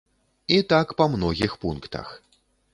І так па многіх пунктах.